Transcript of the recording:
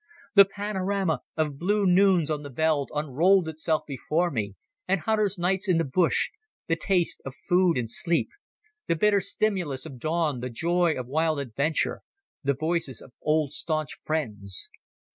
The panorama of blue noons on the veld unrolled itself before me, and hunter's nights in the bush, the taste of food and sleep, the bitter stimulus of dawn, the joy of wild adventure, the voices of old staunch friends.